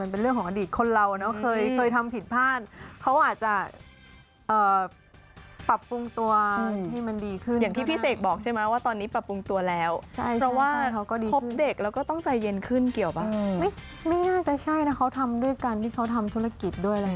โตขึ้นแล้วนะฮะก็มีความใจเย็นลงอะไรอย่างนี้